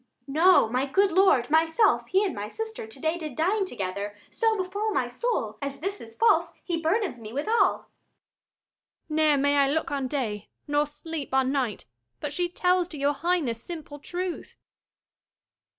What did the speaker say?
Adr. No, my good lord: myself, he and my sister To day did dine together. So befal my soul As this is false he burdens me withal! Luc. Ne'er may I look on day, nor sleep on night, 210 But she tells to your Highness simple truth!